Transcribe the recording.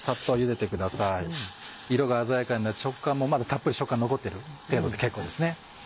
色が鮮やかになって食感もまだたっぷり残ってる程度で結構です。